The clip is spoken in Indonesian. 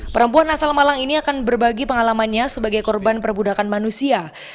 perempuan asal malang ini akan berbagi pengalamannya sebagai korban perbudakan manusia